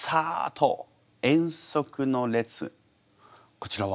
こちらは？